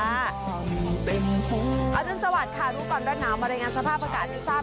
เอาจนสวัสดค่ะรู้ก่อนรัดหนาวมารายงานสภาพอากาศที่ทราบ